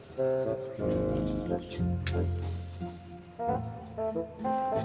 tidak boleh tidak boleh